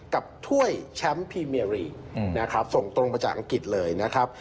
กับถ้วยแชมป์พรีเมียร์ลีกส่งตรงประจางอังกฤษเลยนะครับ